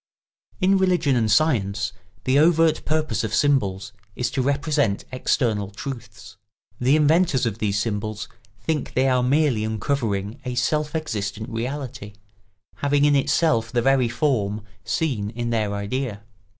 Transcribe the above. ] In religion and science the overt purpose of symbols is to represent external truths. The inventors of these symbols think they are merely uncovering a self existent reality, having in itself the very form seen in their idea.